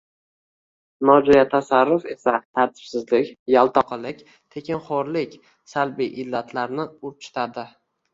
Nojo‘ya tasarruf esa tartibsizlik, yaltoqilik, tekinxo‘rlik salbiy illatlarni urchitadi